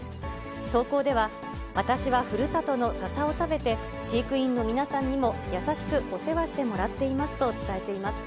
投稿では、私はふるさとのササを食べて、飼育員の皆さんにも優しくお世話してもらっていますと伝えています。